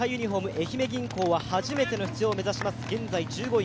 愛媛銀行は初めての出場を目指します、現在１５位。